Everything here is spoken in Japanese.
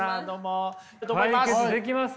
解決できます？